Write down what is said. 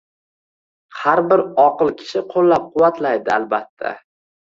har bir oqil kishi qo‘llab-quvvatlaydi, albatta.